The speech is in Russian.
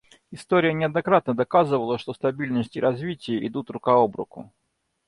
История неоднократно доказывала, что стабильность и развитие идут рука об руку.